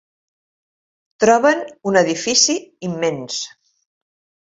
Troben un edifici immens.